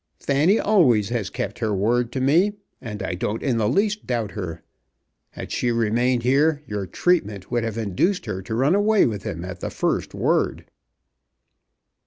Fanny always has kept her word to me, and I don't in the least doubt her. Had she remained here your treatment would have induced her to run away with him at the first word."